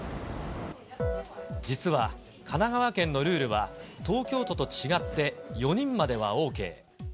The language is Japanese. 実は、神奈川県のルールは、東京都と違って４人まではＯＫ。